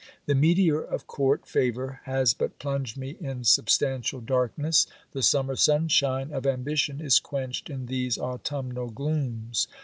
The meteor of court favour has but plunged me in substantial darkness ; the summer sunshine of am bition is quenched in these autumnal glooms.